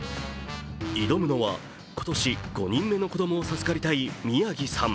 挑むのは、今年５人目の子供を授かりたい宮城さん。